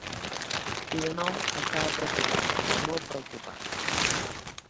I de nou, estava preocupat, molt preocupat.